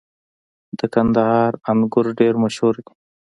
• د کندهار انګور ډېر مشهور دي.